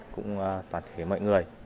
cũng toàn thể mọi người